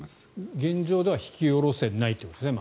現状では引き下ろせないということですね。